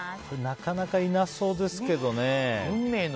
なかなかいなそうですけど。